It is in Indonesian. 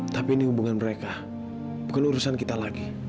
tapi ini hubungan mereka bukan urusan kita lagi